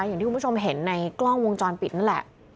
อย่างที่คุณผู้ชมเห็นในกล้องวงจรปิดนั่นแหละ